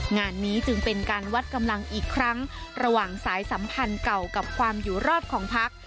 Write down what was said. งานนี้จึงเป็นการวัดกำลังอีกครั้งระหว่างสายสัมพันธ์เก่ากับความอยู่รอดของพัก